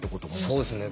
そうですね。